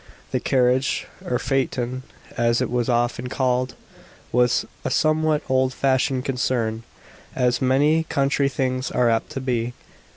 The carriage or phaeton as it was often called was a somewhat old fashioned concern, as many country things are apt to be.